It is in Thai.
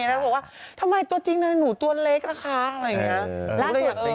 แล้วบอกว่าทำไมจริงนั่นหนูตัวเล็กนะคะอะไรอย่างนี้